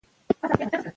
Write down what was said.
ایا سوله ګټه لري؟